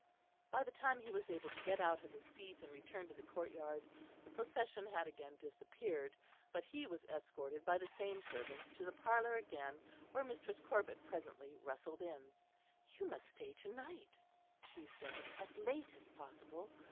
By the time he was able to get out of his seat and return to the courtyard, the procession had again disappeared, but he was escorted by the same servant to the parlour again, where Mistress Corbet presently rustled in. "You must stay to night," she said, "as late as possible.